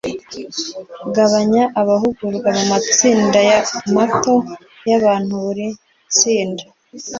Gabanya abahugurwa mu matsinda mato y abantu buri tsinda